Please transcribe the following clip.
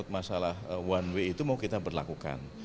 masalah one way itu mau kita berlakukan